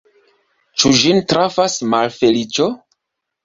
Ĉu ĝin trafas malfeliĉo?